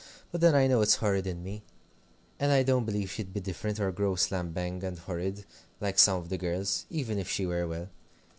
But then, I know it's horrid in me. And I don't believe she'd be different, or grow slam bang and horrid, like some of the girls, even if she were well."